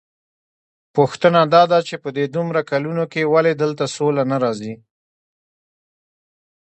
پوښتنه داده چې په دې دومره کلونو کې ولې دلته سوله نه راځي؟